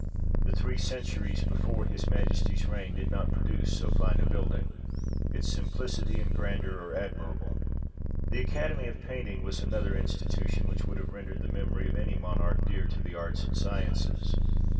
The three centuries before his Majesty's reign did not produce so fine a building. Its simplicity and grandeur are admirable. The Academy of Painting was another institution which would alone have rendered the memory of any Monarch dear to the arts and sciences.